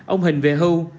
ông hình về hưu